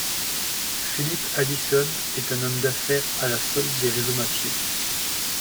Philip Haddison est un homme d'affaires à la solde des réseaux mafieux.